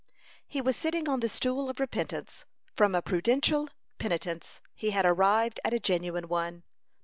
He was sitting on the stool of repentance. From a prudential penitence he had arrived at a genuine one.